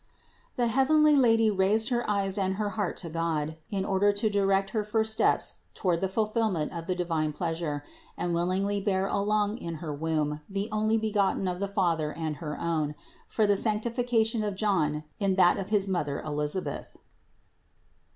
The heavenly Lady raised her eyes and her heart to God, in order to direct her first steps toward the fulfillment of the divine pleasure and willingly bearing along in her womb the Onlybe gotten of the Father and her own, for the sanctification of John in that of his mother Elisabeth.